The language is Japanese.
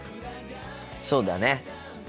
そうだね。